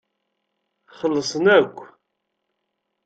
Xellṣen akk.